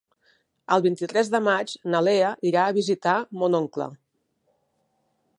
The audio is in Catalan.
El vint-i-tres de maig na Lea irà a visitar mon oncle.